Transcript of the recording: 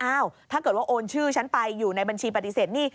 ถ้าเกิดว่าโอนชื่อฉันไปอยู่ในบัญชีปฏิเสธหนี้